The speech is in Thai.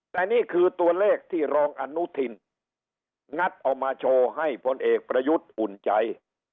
แต่นี่คือตัวเลขที่รองอนุทินงัดเอามาโชว์ให้พลเอกประยุทธ์อุ่นใจ